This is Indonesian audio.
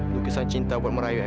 lukisan cinta buat merayui evita